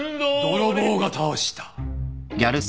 泥棒が倒した！